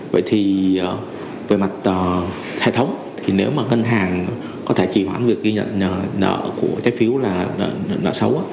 vậy thì về mặt hệ thống thì nếu mà ngân hàng có thể trì hoãn việc ghi nhận nhờ nợ của trái phiếu là nợ xấu